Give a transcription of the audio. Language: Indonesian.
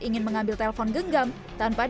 ingin mengambil telpon genggam tanpa